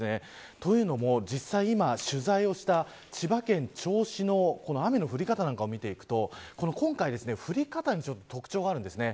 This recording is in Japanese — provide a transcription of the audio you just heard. というのも、実際今取材をした千葉県銚子市の雨の降り方を見ていくと今回、降り方に特徴があるんですね。